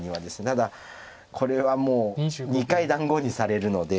ただこれはもう２回団子にされるので。